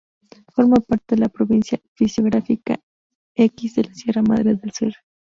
Forma parte de la Provincia Fisiográfica X de la Sierra Madre del Sur.